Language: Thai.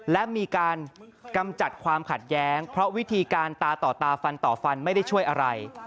และมีการกำจัดความขัดแย้งเพราะวิธีการตาต่อตาฟันต่อฟันไม่ได้ช่วยอะไร